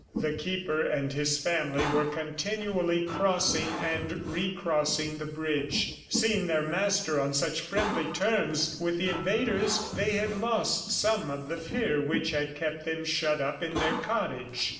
The Keeper and his family were continually crossing and recrossing the bridge. Seeing their master on such friendly terms with the invaders, they had lost some of the fear which had kept them shut up in their cottage.